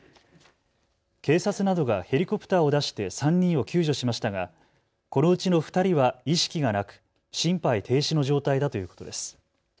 警察などがヘリコプターを出して３人を救助しましたがこのうちの２人は意識がなく心肺停止の状態だということです。